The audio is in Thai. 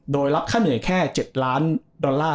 โดยรับค่าเหนื่อยแค่๗ล้านดอลลาร์